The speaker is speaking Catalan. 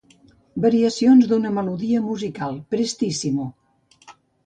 Variacions d'una melodia musical "Prestissimo".